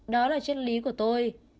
đó là chất lý của tôi